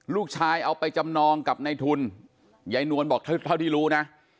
เอาไปจำนองกับในทุนยายนวลบอกเท่าที่รู้นะ